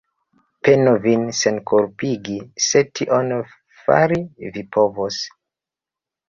Penu vin senkulpigi, se tion fari vi povos.